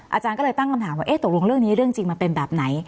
อาจารย์ก็เลยตั้งคำถามว่าตกลงเรื่องนี้เรื่องจริงมันเป็นแบบไหน